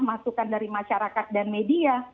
masukan dari masyarakat dan media